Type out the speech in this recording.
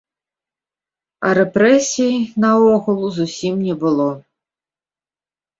А рэпрэсій, наогул, зусім не было.